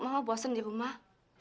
mama bosen di rumah